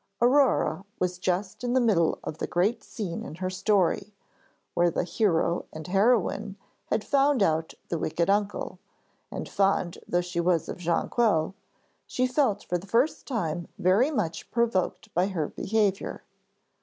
Aurore was just in the middle of the great scene in her story, where the hero and heroine had found out the wicked uncle, and fond though she was of Jonquil, she felt for the first time very much provoked by her behaviour.